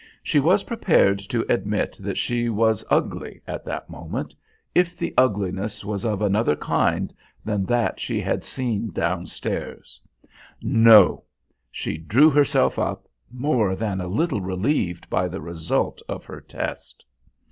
She was prepared to admit that she was ugly at that moment, if the ugliness was of another kind than that she had seen downstairs. No! She drew herself up, more than a little relieved by the result of her test.